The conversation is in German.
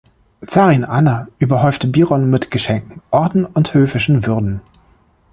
Zarin Anna überhäufte Biron mit Geschenken, Orden und höfischen Würden.